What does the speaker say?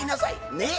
ねえ？